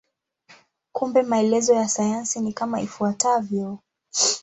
Kumbe maelezo ya sayansi ni kama ifuatavyo.